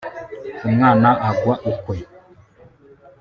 umwana agwa ukwe